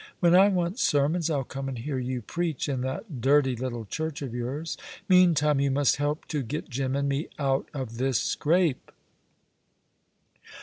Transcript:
When I want sermons I'll come and hear you preach in that dirty little church of yours. Meantime, you must help to get Jim and me out of this scrape."